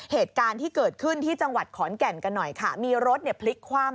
เหตุการณ์ที่เกิดขึ้นที่จังหวัดขอนแก่นกันหน่อยค่ะมีรถเนี่ยพลิกคว่ำ